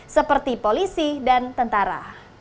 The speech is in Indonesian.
seperti polisi dan tentara